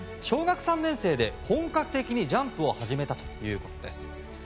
小学３年生で本格的にジャンプを始めたということです。